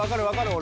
俺。